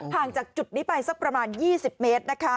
ห่างจากจุดไปเนี่ยซะกันประมาณ๒๐เมตร